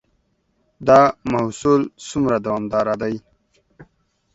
دا محصول څومره دوامدار دی؟